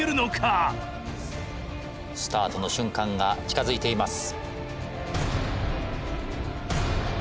スタートの瞬間が近づいています。